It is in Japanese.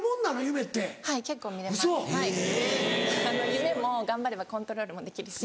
夢も頑張ればコントロールもできるし。